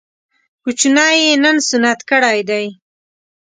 کوچنی يې نن سنت کړی دی